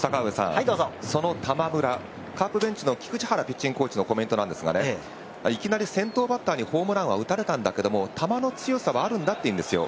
その玉村、カープベンチのバッティングコーチなんですがいきなり先頭バッターにホームランは打たれたんだけど、球の強さはあるんだと言うんですよ。